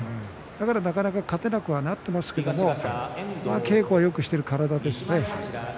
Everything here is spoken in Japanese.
だから、なかなか勝てなくなっていますけれど稽古はよくしている体ですよね。